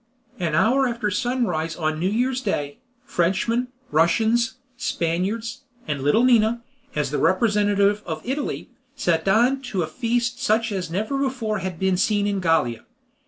An hour after sunrise on New Year's Day, Frenchmen, Russians, Spaniards, and little Nina, as the representative of Italy, sat down to a feast such as never before had been seen in Gallia.